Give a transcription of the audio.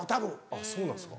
あっそうなんですか。